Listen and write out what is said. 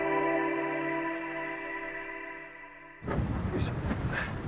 よいしょ。